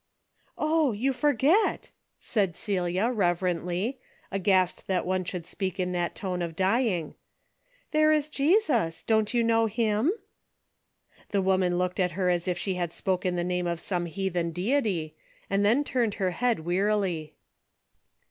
" Oh you forget !" said Celia, reverently, aghast that one should speak in that tone of 32 A DAILY BATE:^ dying, "There is Jesus! Don't you know him ?" The woman looked at her as if she had spoken the name of some heathen deity, and then turned her head wearily.